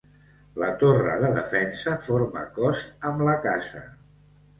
La torre de defensa forma cos amb la casa.